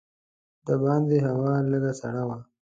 د باندې هوا لږه سړه وه.